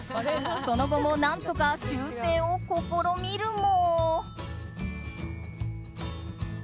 その後も何とか修正を試みるも。